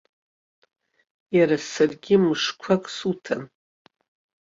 Иара саргьы мышқәак суҭан.